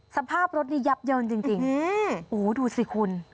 สภาพรถนี่ยับเยินจริงโอ้โหดูสิคุณ